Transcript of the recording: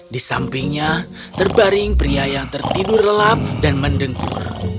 di sampingnya terbaring pria yang tertidur lelap dan mendengkur